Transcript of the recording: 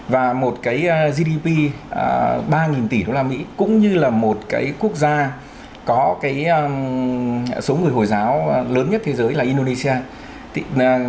và một cái gdp ba nghìn tỷ đô la mỹ cũng như là một cái quốc gia có cái số người hồi giáo lớn nhất thế giới là iran